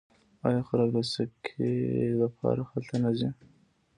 آیا خلک د سکي لپاره هلته نه ځي؟